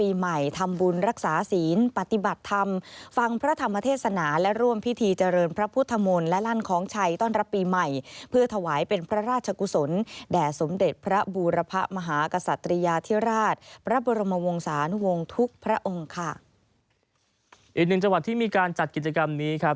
อีกหนึ่งจังหวัดที่มีการจัดกิจกรรมนี้ครับ